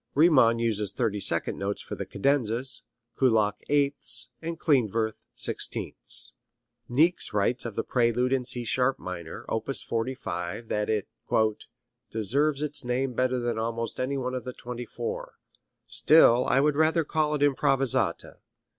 Riemann uses thirty second notes for the cadenzas, Kullak eighths and Klindworth sixteenths. Niecks writes of the Prelude in C sharp minor, op. 45, that it "deserves its name better than almost any one of the twenty four; still I would rather call it improvisata.